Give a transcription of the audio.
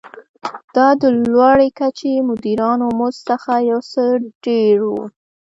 دا د لوړې کچې مدیرانو مزد څخه یو څه ډېر و.